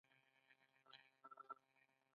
• ستا غږ د موسیقۍ په شان دی.